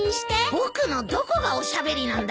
僕のどこがおしゃべりなんだ！？